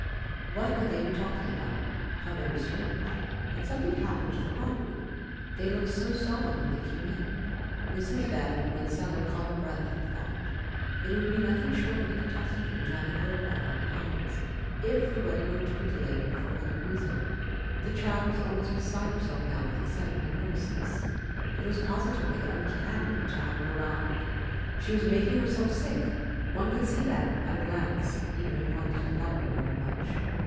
What could they be talking about? How very strange! Had something happened to the bridegroom? They looked so solemn when they came in. Mrs. Van Rensselaer caught her breath at the thought. It would be nothing short of a catastrophe to have the girl bride on her hands, if the wedding were to be delayed for any reason. The child was almost beside herself now with excitement and nervousness. It was positively uncanny to have her around. She was making herself sick, one could see that at a glance, even if one didn't love her very much.